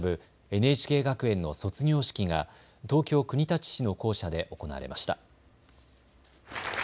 ＮＨＫ学園の卒業式が東京国立市の校舎で行われました。